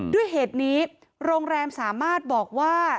ด้วยเหตุนี้โรงแรมสามารถบอกว่า